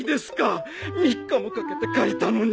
３日もかけて書いたのに。